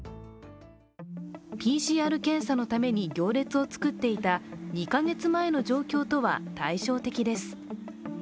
ＰＣＲ検査のために行列を作っていた２か月前の状況とは対照的です。